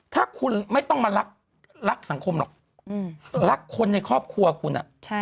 ถ้าคุณไม่ต้องมารักสังคมหรอกรักคนในครอบครัวคุณ